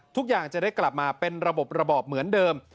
ทุกอย่างจะได้กลับมาเป็นระบบระบอบเหมือนเดิม